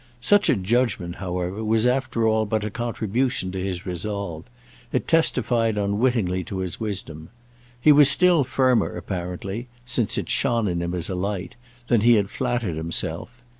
Such a judgement, however, was after all but a contribution to his resolve; it testified unwittingly to his wisdom. He was still firmer, apparently—since it shone in him as a light—than he had flattered himself.